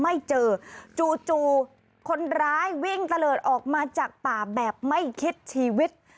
ไม่เจอจู่คนร้ายวิ่งตะเลิศออกมาจากป่าแบบไม่คิดชีวิต